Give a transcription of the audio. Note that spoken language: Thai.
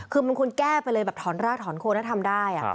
คือมันควรแก้ไปเลยแบบถอนรากถอนโคนแล้วทำได้